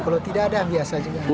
kalau tidak ada biasa juga